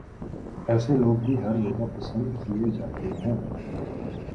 ایسے لوگ بھی ہر جگہ پسند کیے جاتے ہیں